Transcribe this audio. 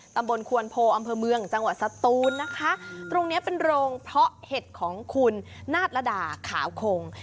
ตำบลควนโพอำเภอเมืองจังหวัดสตูนนะคะตรงเนี้ยเป็นโรงเพราะเห็ดของคุณนาฏระดาขาวคง